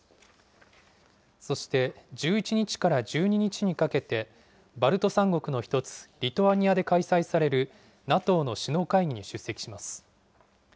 そして、１１日から１２日にかけて、バルト三国の一つ、リトアニアで開催されるＮＡＴＯの首脳会議に出席します。